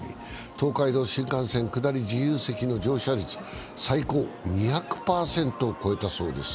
東海道新幹線下り自由席の乗車率、最高２００％を超えたそうです。